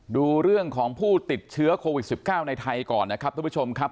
ดูเรื่องของผู้ติดเชื้อโควิด๑๙ในไทยก่อนนะครับทุกผู้ชมครับ